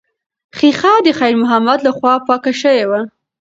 ښیښه د خیر محمد لخوا پاکه شوې وه.